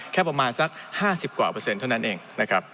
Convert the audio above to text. แค่ประมาณสัก๕๐กว่าเปอร์เซ็นเท่านั้นเองนะครับ